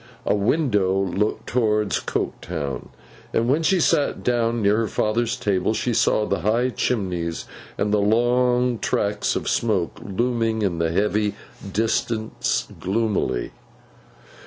A window looked towards Coketown; and when she sat down near her father's table, she saw the high chimneys and the long tracts of smoke looming in the heavy distance gloomily.